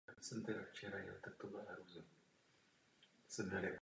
Proč nyní máme tento pozitivní růst?